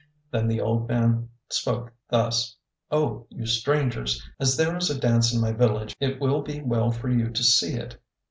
Then the old man spoke thus: "Oh you strangers! as there is a dance in my village, it will be well for you to see it."